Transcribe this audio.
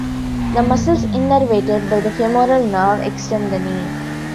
The muscles innervated by the femoral nerve extend the knee.